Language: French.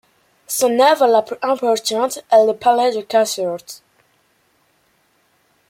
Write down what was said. Son œuvre la plus importante est le palais de Caserte.